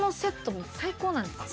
もう最高なんですよ。